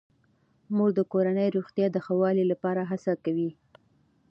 مور د کورنۍ روغتیا د ښه والي لپاره هڅه کوي.